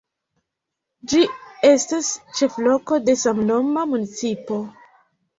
Ĝi estas ĉefloko de samnoma municipo.